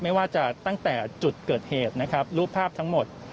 ไม่ว่าจะตั้งแต่จุดเกิดเหตุนะครับรูปภาพทั้งหมด